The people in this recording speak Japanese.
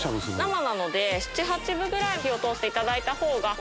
生なので７８分ぐらい火を通していただいたほうが。